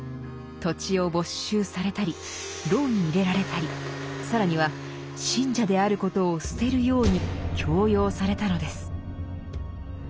土地を没収されたり牢に入れられたり更には信者であることを捨てるように強要されたのです。